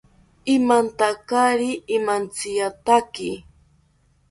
Imantakari imantziyataki